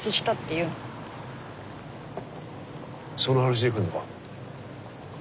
その話で来るのか。